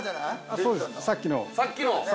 そうですさっきの。